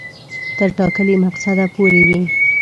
تر ټاکلي مقصده پوري وي.